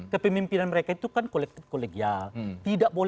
kepemimpinan mereka itu kan kolektif kolegial